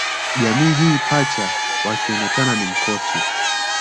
Jamii hii Pacha wakionekana ni mkosi